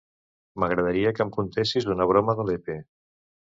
M'agradaria que em contessis una broma de Lepe.